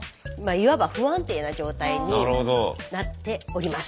いわば不安定な状態になっております。